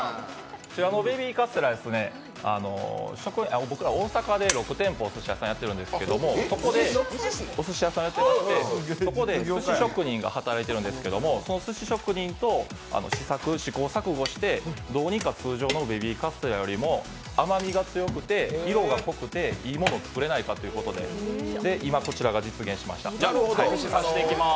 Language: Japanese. ベビーカステラ、僕ら６店舗おすし屋さんやってるんですけどそこですし職人が働いてるんですけどそのすし職人と試行錯誤して、どうにか通常のベビーカステラよりも甘みが強くて色が濃くていいものを作れないかということで、串、刺していきます。